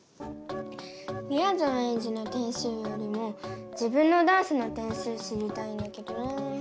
みやぞんエンジの点数よりも自分のダンスの点数知りたいんだけどな。